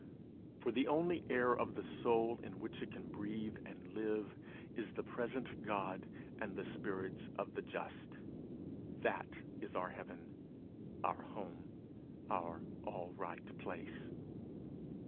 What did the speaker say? For the only air of the soul, in which it can breathe and live, is the present God and the spirits of the just: that is our heaven, our home, our all right place.